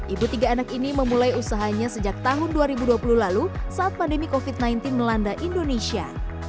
ibu tiga anak ini memulai usahanya sejak tahun dua ribu dua puluh lalu saat pandemi covid sembilan belas melanda indonesia